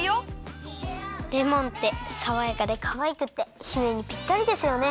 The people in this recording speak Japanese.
レモンってさわやかでかわいくって姫にぴったりですよね。